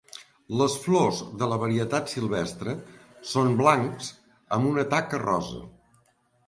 Les flors de la varietat silvestre són blancs amb una taca rosa.